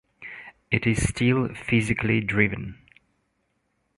It is still physically driven.